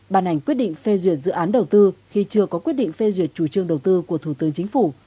bàn hành quyết định phê duyệt dự án đầu tư khi chưa có quyết định phê duyệt chủ trương đầu tư của thủ tướng chính phủ